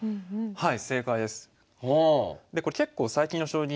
はい。